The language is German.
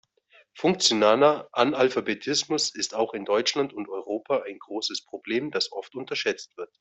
Funktionaler Analphabetismus ist auch in Deutschland und Europa ein großes Problem, das oft unterschätzt wird.